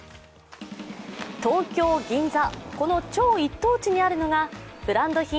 東京・銀座、この超一等地にあるのがブランド品